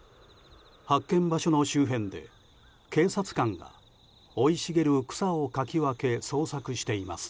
発見場所の周辺で警察官が生い茂る草をかき分け捜索しています。